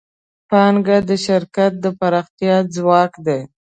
پانګه د شرکت د پراختیا ځواک دی.